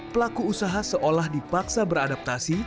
pelaku usaha seolah dipaksa beradaptasi